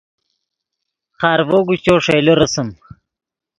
خارڤو اگوشچو ݰئیلے رسم